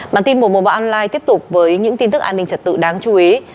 bản tin một trăm một mươi một online tiếp tục với những tin tức an ninh trật tự đáng chú ý